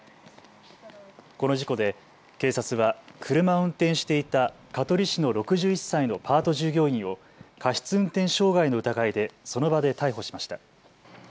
この事故で警察は車を運転していた香取市の６１歳のパート従業員を過失運転傷害の疑いでその場で逮捕しました。